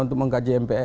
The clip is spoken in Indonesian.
untuk mengkaji mpe